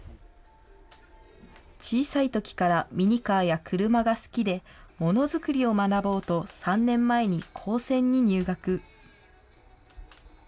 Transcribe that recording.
小さいときからミニカーや車が好きで、もの作りを学ぼうと、３年前に高専に入学。